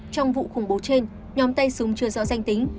trong vụ khủng bố trên nhóm tay súng chưa rõ danh tính